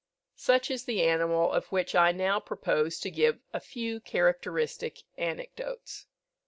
Such is the animal of which I now propose to give a few characteristic anecdotes.